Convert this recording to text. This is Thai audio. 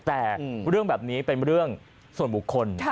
แต่เรื่องแบบนี้เป็นเรื่องส่วนบุคคล